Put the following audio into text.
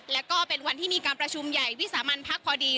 แล้วก็เป็นวันที่มีการประชุมใหญ่วิสามันพักพอดี